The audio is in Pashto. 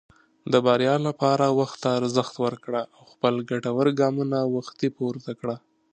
د بریا لپاره وخت ته ارزښت ورکړه، او خپل ګټور ګامونه وختي پورته کړه.